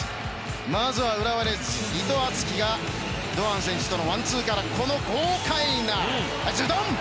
まずは浦和レッズ、伊藤敦樹が堂安選手とのワンツーからこの豪快なズドン！